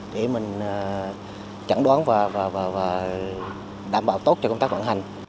để mình chẩn đoán và đảm bảo tốt cho công tác vận hành